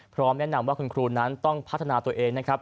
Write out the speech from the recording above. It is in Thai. แนะนำว่าคุณครูนั้นต้องพัฒนาตัวเองนะครับ